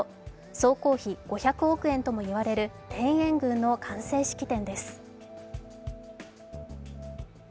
総工費５００億円とも言われる天苑宮の完成式典です。